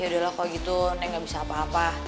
yaudahlah kalau gitu nek enggak bisa apa apa